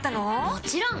もちろん！